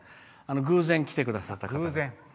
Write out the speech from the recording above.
偶然、来てくださった方。